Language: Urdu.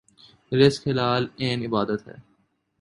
رزق حلال عین عبادت ہے